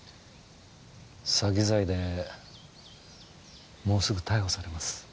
詐欺罪でもうすぐ逮捕されます。